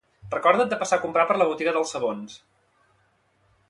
Recorda't de passar a comprar per la botiga dels sabons